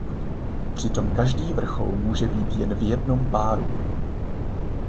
Přitom každý vrchol může být jen v jednom páru.